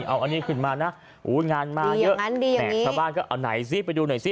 เอาอันนี้ขึ้นมานะงานมาเยอะชาวบ้านก็เอาไหนซิ